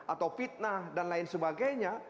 atau fitnah dan lain sebagainya